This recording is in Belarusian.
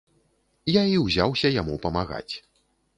Я і ўзяўся яму памагаць.